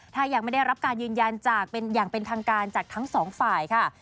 ถ้ายังไม่ได้รับการยืนยันจากอย่างเป็นทางการจากทั้งสองฝ่ายค่ะ